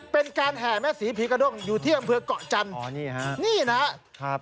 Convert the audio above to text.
เป็นการแห่แม่ศรีภีร์กระด้งอยู่ที่อำเภอเกาะจันทร์